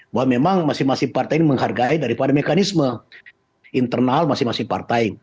bahwa memang masing masing partai ini menghargai daripada mekanisme internal masing masing partai